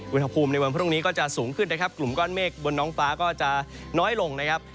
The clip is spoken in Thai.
อุณหภูมิในวันพรุ่งนี้ก็จะสูงขึ้นนะครับกลุ่มก้อนเมฆบนน้องฟ้าก็จะน้อยลงนะครับ